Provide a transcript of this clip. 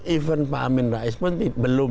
event pak amin rais pun belum